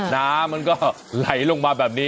น้ำมันก็ไหลลงมาแบบนี้